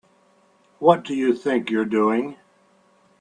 What do you think you're doing?